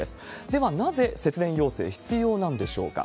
では、なぜ節電要請、必要なんでしょうか。